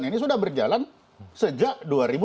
ini sudah berjalan sejak dua ribu dua